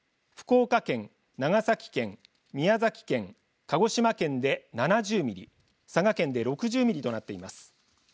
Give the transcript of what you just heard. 福岡県、長崎県、宮崎県鹿児島県で７０ミリ佐賀県で６０ミリとなっています。